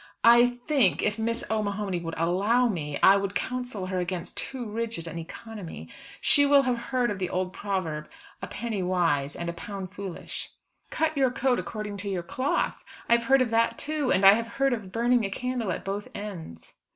"I think if Miss O'Mahony would allow me, I would counsel her against too rigid an economy. She will have heard of the old proverb, 'A penny wise and a pound foolish.'" "'Cut your coat according to your cloth,' I have heard of that too; and I have heard of 'Burning a candle at both ends.'"